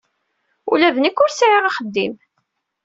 Ula d nekk ur sɛiɣ axeddim.